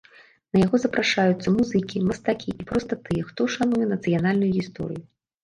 На яго запрашаюцца музыкі, мастакі і проста тыя, хто шануе нацыянальную гісторыю.